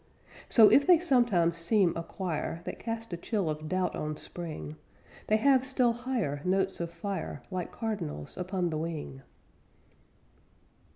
So if they sometimes seem a choir That cast a chill of doubt on spring, They have still higher notes of fire Like cardinals upon the wing.